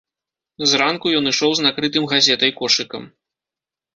Зранку ён ішоў з накрытым газетай кошыкам.